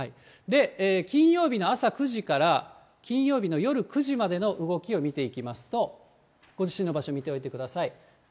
金曜日の朝９時から金曜日の夜９時までの動きを見ていきますと、ご自身の場所、見ておいてください。